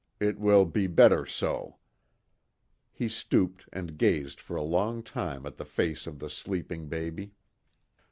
It will be better so." He stooped and gazed for a long time at the face of the sleeping baby.